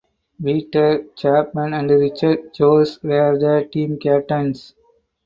Peter Chapman and Richard Joyce were the team captains.